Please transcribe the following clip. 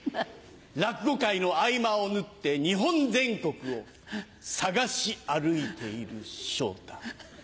落語界の合間を縫って日本全国を捜し歩いている昇太。